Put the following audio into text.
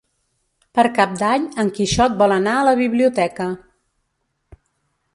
Per Cap d'Any en Quixot vol anar a la biblioteca.